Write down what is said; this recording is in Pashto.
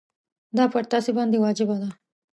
دا پر تاسي باندي واجبه ده.